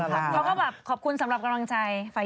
เขาก็แบบขอบคุณสำหรับกำลังใจ